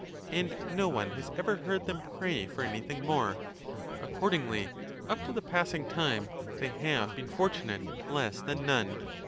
and no one has ever heard them pray for any thing more. Accord ingly, up to the passing time, they have been fortunate less than none.